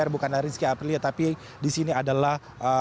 bukan rizky aprilia tapi disini adalah